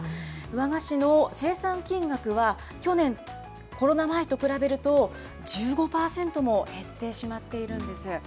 和菓子の生産金額は去年、コロナ前と比べると、１５％も減ってしまっているんです。